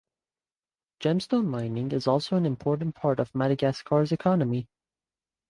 Gemstone mining is also an important part of Madagascar's economy.